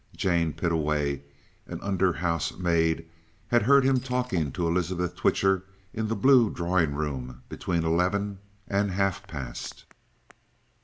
Jane Pittaway, an under house maid, had heard him talking to Elizabeth Twitcher in the blue drawing room between eleven and half past.